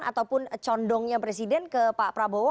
ataupun condongnya presiden ke pak prabowo